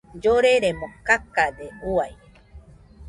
Lloreremo kakade uai.